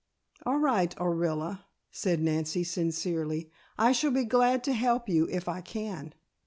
"All right, Orilla," said Nancy sincerely, "I shall be glad to help you if I can."